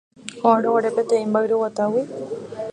ho'árõguare peteĩ mba'yruguatágui